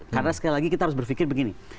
karena sekali lagi kita harus berpikir begini